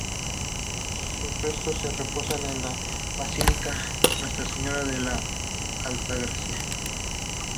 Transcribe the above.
Sus restos reposan en la Basílica Nuestra Señora de la Altagracia.